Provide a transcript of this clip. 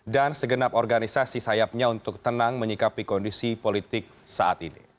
dan segenap organisasi sayapnya untuk tenang menyikapi kondisi politik saat ini